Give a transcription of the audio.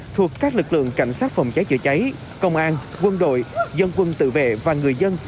thuộc các lực lượng cảnh sát phòng cháy chữa cháy công an quân đội dân quân tự vệ và người dân